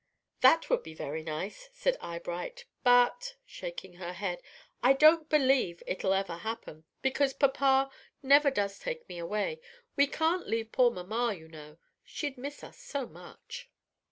"That would be very nice," said Eyebright. "But" shaking her head "I don't believe it'll ever happen, because papa never does take me away. We can't leave poor mamma, you know. She'd miss us so much."